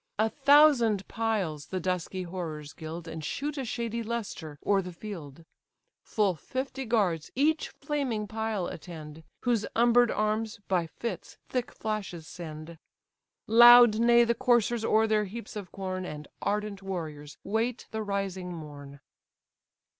A thousand piles the dusky horrors gild, And shoot a shady lustre o'er the field. Full fifty guards each flaming pile attend, Whose umber'd arms, by fits, thick flashes send, Loud neigh the coursers o'er their heaps of corn, And ardent warriors wait the rising morn.